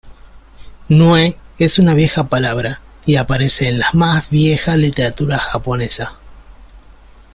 Nue es una vieja palabra y aparece en la más vieja literatura japonesa.